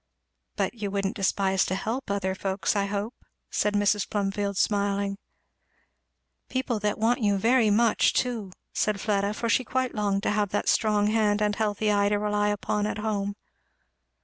"But you wouldn't despise to help other folks, I hope," said Mrs. Plumfield smiling. "People that want you very much too," said Fleda; for she quite longed to have that strong hand and healthy eye to rely upon at home.